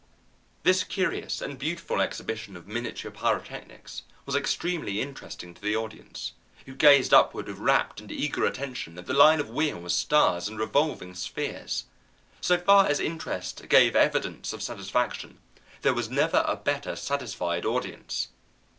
This curious and beautiful exhibition of miniature pyrotechnics was extremely interesting to the audience, who gazed upward with rapt and eager attention at the line of wheels, stars, and revolving spheres. So far as interest gave evidence of satisfaction, there was never a better satisfied audience.